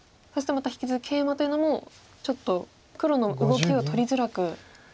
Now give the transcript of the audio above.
そしてまた引き続きケイマというのもちょっと黒の動きを取りづらく。